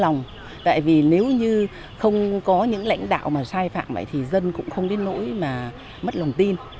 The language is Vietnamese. nếu như không có những lãnh đạo sai phạm vậy thì dân cũng không đến nỗi mất lòng tin